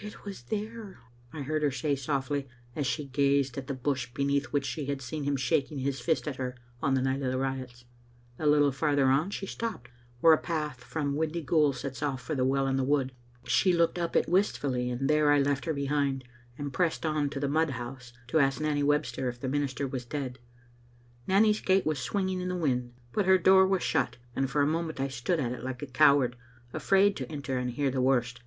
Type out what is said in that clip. "It was there," I heard her say softly, as she gazed at the bush beneath which she had seen him shaking his fist at her on the night of the riots. A little farther on she stopped where a path from Windyghoul sets oflE for the well in the wood. She looked up it wistfully, and there I left her behind, and pressed on to the mud house to ask Nanny Webster if the minister was dead. Nanny's gate was swinging in the wind, but her door was shut, and for a moment I stood at it like a coward, afraid to enter and hear the worst.